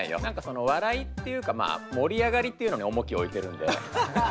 何かその笑いっていうかまあ盛り上がりっていうのに重きを置いてるんで。